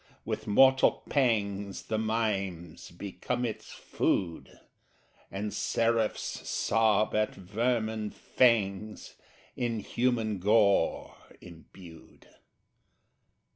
with mortal pangs The mimes become its food, And seraphs sob at vermin fangs In human gore imbued.